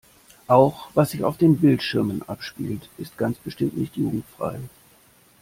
Auch was sich auf den Bildschirmen abspielt ist ganz bestimmt nicht jugendfrei.